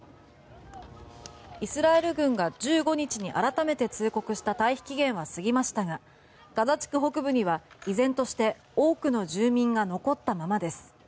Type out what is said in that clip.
イスラエル軍が１５日に改めて通告した退避期限は過ぎましたがガザ地区北部には、依然として多くの住民が残ったままです。